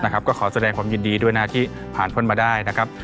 ก็ขอแสดงความยินดีด้วยนะที่ผ่านพ้นมาได้นะครับ